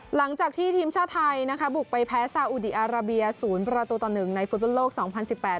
หลังจากที่ทีมชาติไทยนะคะบุกไปแพ้ซาอุดีอาราเบียศูนย์ประตูต่อหนึ่งในฟุตบอลโลกสองพันสิบแปด